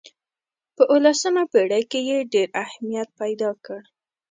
په اولسمه پېړۍ کې یې ډېر اهمیت پیدا کړ.